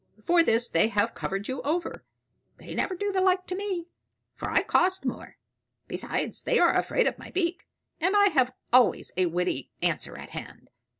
For this they have covered you over they never do the like to me; for I cost more. Besides, they are afraid of my beak; and I have always a witty answer at hand.